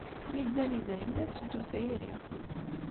Mi ddan yidrimen, ad teddu tayri.